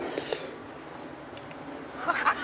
「ハハハハ！